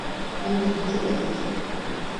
Henüz bitirmedik.